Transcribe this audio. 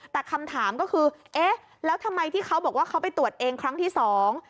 แต่คำถามก็คือเอ๊ะแล้วทำไมที่เขาบอกว่าเขาไปตรวจเองครั้งที่สอง